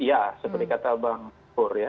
ya seperti kata bang pur